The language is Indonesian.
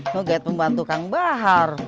mau guide pembantu kang bahar